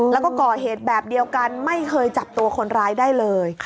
แล้วก็ก่อเหตุแบบเดียวกันไม่เคยจับตัวคนร้ายได้เลย